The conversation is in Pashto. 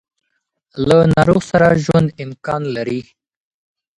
له ناروغ سره ژوند امکان لري.